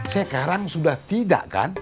sekarang sudah tidak kan